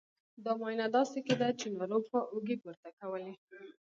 دا معاینه داسې کېده چې ناروغ به اوږې پورته کولې.